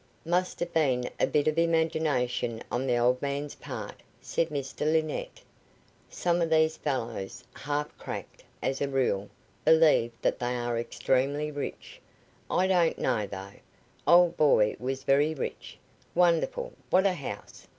"Must have been a bit of imagination on the old man's part," said Mr Linnett. "Some of these old fellows half cracked, as a rule believe that they are extremely rich. I don't know, though. Old boy was very rich. Wonderful! What a house!